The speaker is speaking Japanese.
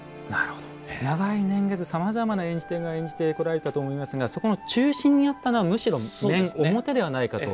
長い年月、さまざまな演じ手が演じてこられたと思いますがそこの中心にあったのはむしろ面ではないかと。